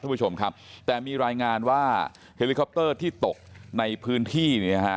ผู้ชมครับแต่มีรายงานว่าเฮลิคอปเตอร์ที่ตกในพื้นที่เนี่ยฮะ